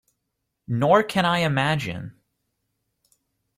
Nor can I imagine.